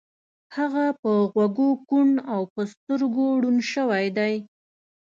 هغه په غوږو کوڼ او په سترګو ړوند شوی دی